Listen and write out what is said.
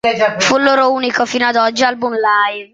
Fu il loro unico, fino ad oggi, album live.